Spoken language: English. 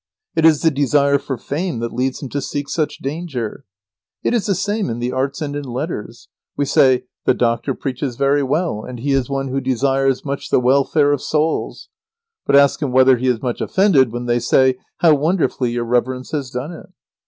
It is the desire for fame that leads him to seek such danger. It is the same in the arts and in letters. We say: "The Doctor preaches very well and he is one who desires much the welfare of souls," but ask him whether he is much offended when they say, "How wonderfully your reverence has done it!"